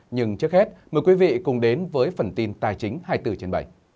nhưng trước hết mời quý vị cùng đến với phần tin tài chính hai mươi bốn trên bảy